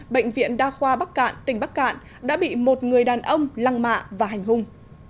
bệnh viện đa khoa bắc cạn tỉnh bắc cạn đã bị một người đàn ông lăng mạ và hành hung